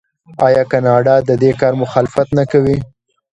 آیا کاناډا د دې کار مخالفت نه کوي؟